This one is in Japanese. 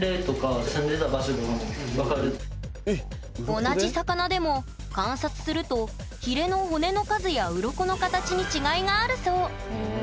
同じ魚でも観察するとひれの骨の数やうろこの形に違いがあるそう。